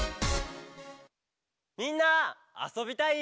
「みんなあそびたい？」